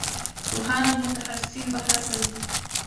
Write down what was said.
پوهان او متخصصین بهر ته ځي.